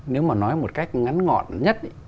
nếu mà nói một cách ngắn ngọn nhất